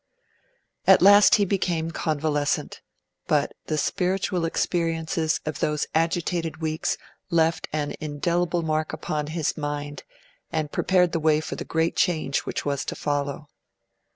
At last he became convalescent; but the spiritual experiences of those agitated weeks left an indelible mark upon his mind, and prepared the way for the great change which was to follow.